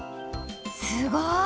すごい！